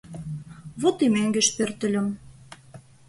Вот и мӧҥгеш пӧртыльым.